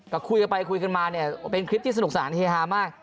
ก็คุยกันไปคุยกันมาเนี่ยเป็นคลิปที่สนุกสนานเฮฮามาก